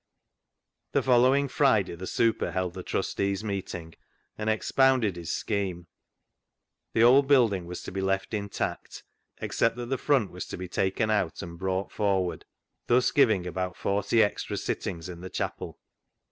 The following Friday the " super " held the Trustees' Meeting and expounded his scheme. The old building was to be left intact, except that the front was to be taken out and brought forward, thus giving about forty extra sittings in the chapel.